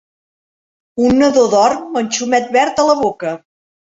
Un nadó dorm amb un xumet verd a la boca.